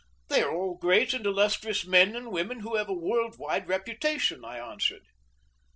"They are all great and illustrious men and women who have a world wide reputation," I answered.